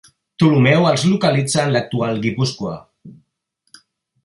Ptolemeu els localitza en l'actual Guipúscoa.